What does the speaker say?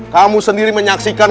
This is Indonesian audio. kamu sendiri menyaksikan